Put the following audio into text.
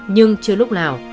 nhưng chưa lúc nào